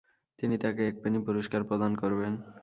তিনি তাকে এক পেনি পুরস্কার প্রদান করবেন।